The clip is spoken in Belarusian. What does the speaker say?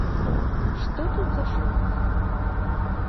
Што тут за шум?